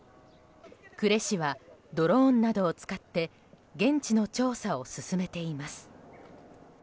呉市は、ドローンなどを使って現地の調査を進めています。